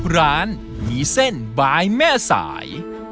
ร้านมีเส้นบายแม่สาย